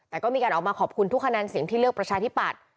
แต่ก็มีการออกมาขอบคุณทุกคะแนนเสียงที่เลือกประชาธิปัตย์